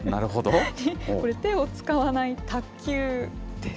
これ、手を使わない卓球です。